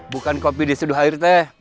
bukan kopi diseduh air teh